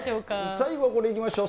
最後はこれいきましょう。